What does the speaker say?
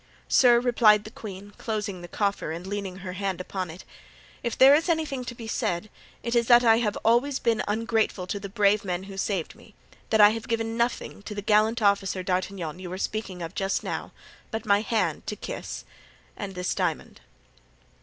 "Sir," replied the queen, closing the coffer and leaning her hand upon it, "if there is anything to be said, it is that I have always been ungrateful to the brave men who saved me—that I have given nothing to that gallant officer, D'Artagnan, you were speaking of just now, but my hand to kiss and this diamond."